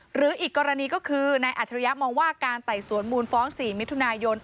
หรืออีกกรณีก็คือนายอัจฉริยะมองว่าการไต่สวนมูลฟ้อง๔มิถุนายน